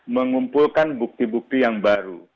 mengumpulkan bukti bukti yang baru